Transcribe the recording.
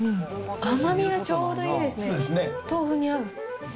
甘みがちょうどいいですね、豆腐に合う。